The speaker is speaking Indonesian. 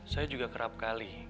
saya juga kerap kali